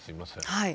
はい。